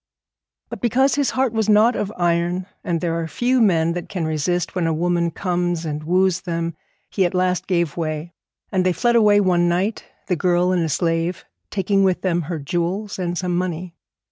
But because his heart was not of iron, and there are few men that can resist when a woman comes and woos them, he at last gave way; and they fled away one night, the girl and the slave, taking with them her jewels and some money.